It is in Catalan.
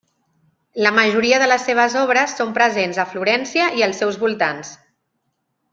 La majoria de les seves obres són presents a Florència i als seus voltants.